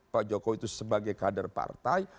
pak jokowi itu sebagai kader partai